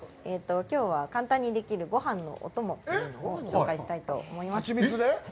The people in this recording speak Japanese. きょうは簡単にできる、ごはんのお供というのを紹介したいと思います。